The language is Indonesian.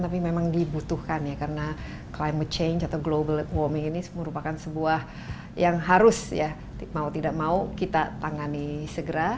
tapi memang dibutuhkan ya karena climate change atau global warming ini merupakan sebuah yang harus ya mau tidak mau kita tangani segera